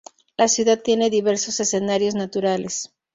La ciudad tiene diversos escenarios naturales.